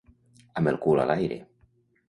Amb el cul a l'aire.